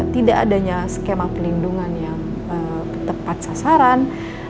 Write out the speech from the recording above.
tidak adanya skema pelindungan yang tepat sasaran